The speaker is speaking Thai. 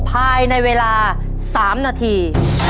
ภายในเวลา๓นาที